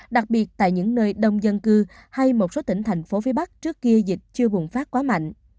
đặc biệt tại những nơi đông dân cư hay một số tỉnh thành phố phía bắc trước kia dịch chưa bùng phát quá mạnh